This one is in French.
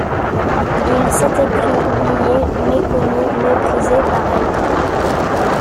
Il s'était cru oublié, méconnu, méprisé par elles trois.